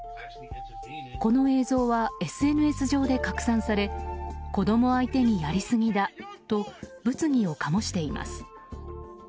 この映像はＳＮＳ上で拡散され子供相手にやりすぎだと物議を醸しています。